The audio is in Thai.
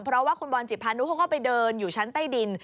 เพราะว่าคุณบอลจิตพานุเขาก็ไปเดินอยู่ชั้นใต้ดิน